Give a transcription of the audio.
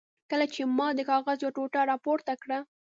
کله چې ما د کاغذ یوه ټوټه را پورته کړه.